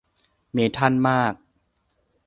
เมทัลมาก